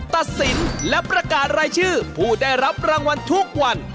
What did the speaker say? ตัดสินและประกาศรายชื่อผู้ได้รับรางวัลทุกวัน